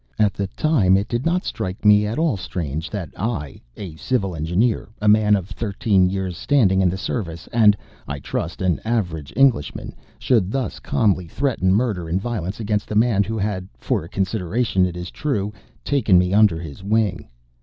At the time it did not strike me as at all strange that I, a Civil Engineer, a man of thirteen years' standing in the Service, and, I trust, an average Englishman, should thus calmly threaten murder and violence against the man who had, for a consideration it is true, taken me under his wing.